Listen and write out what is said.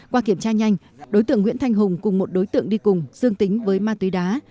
qua kiểm tra nhanh đối tượng nguyễn thanh hùng cùng một đối tượng đi cùng dương tính với ma túy đá